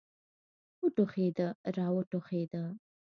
وټوخېده را وټوخېده.